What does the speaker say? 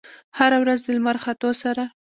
هره ورځ د لمر ختو سره